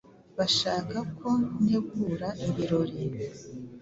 Bashaka ko ntegura ibirori.